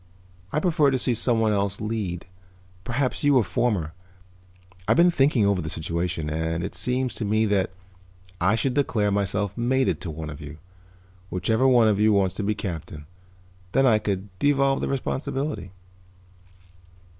I prefer to see someone else lead, perhaps you or Fomar. I've been thinking over the situation and it seems to me that I should declare myself mated to one of you, whichever of you wants to be captain. Then I could devolve the responsibility."